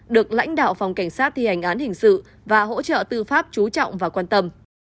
được lãnh đạo phòng cảnh sát thi hành án hình sự và hỗ trợ tư pháp chú trọng và quan tâm